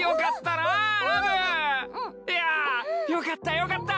いやよかったよかった！